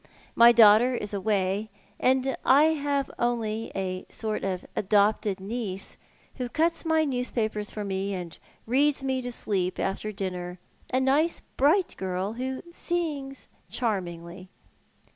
My daughter is away, and I have only a— sort of — adopted niece, who cuts my newspapers for me and reads me to sleep after dinner — a nice, bright girl, who sings charmingly."